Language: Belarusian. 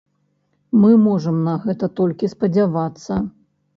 Мы можам на гэта толькі спадзявацца.